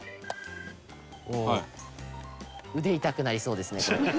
腕痛くなりそうですね、これ。